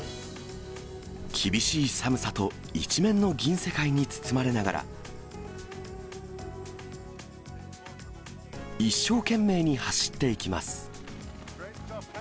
厳しい寒さと一面の銀世界に包まれながら、一生懸命に走っていきます。